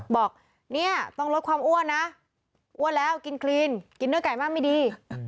บอกเนี่ยต้องลดความอ้วนนะอ้วนแล้วกินคลีนกินเนื้อไก่มากไม่ดี